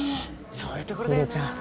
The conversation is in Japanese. そういうところだよな。